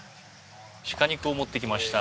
鹿肉を持ってきました。